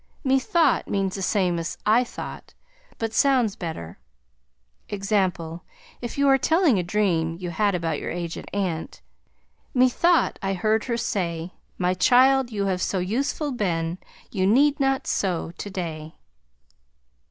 Methought means the same as I thought, but sounds better. Example: If you are telling a dream you had about your aged aunt: Methought I heard her say My child you have so useful been You need not sew today.